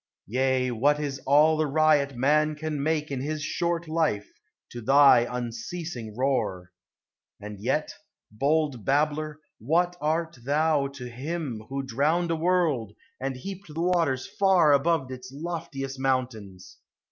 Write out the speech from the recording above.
Yea, what is all the riot man can make In his short life, to thy unceasing roar? And yet, bold babbler, what art thou to Him INLAND WATERS: HIGHLANDS. 209 Who drowned a world, and heaped the waters far Above its loftiest mountains?